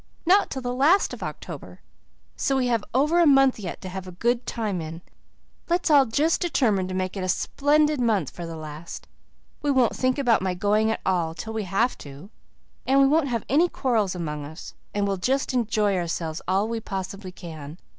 "Not till the last of October. So we have over a month yet to have a good time in. Let's all just determine to make it a splendid month for the last. We won't think about my going at all till we have to, and we won't have any quarrels among us, and we'll just enjoy ourselves all we possibly can.